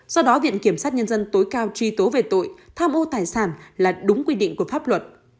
do đó viện kiểm sát nhân dân tối cao truy tố về tội tham ô tài sản là đúng quy định của pháp luật